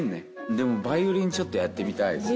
でもヴァイオリンちょっとやってみたいっすね。